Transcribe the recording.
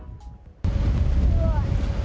すごい。